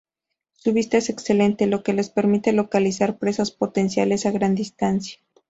Su vista es excelente, lo que les permite localizar presas potenciales a gran distancia.